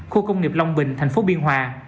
khu công nghiệp long bình thành phố biên hòa